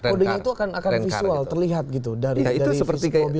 kode nya itu akan visual terlihat gitu dari mobil ini